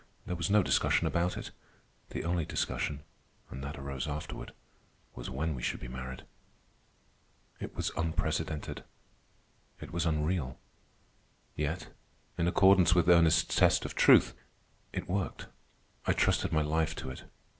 There was no discussion about it. The only discussion—and that arose afterward—was when we should be married. It was unprecedented. It was unreal. Yet, in accordance with Ernest's test of truth, it worked. I trusted my life to it.